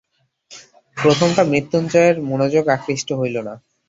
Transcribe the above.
প্রথমটা মৃত্যুঞ্জয়ের মনোযোগ আকৃষ্ট হইল না।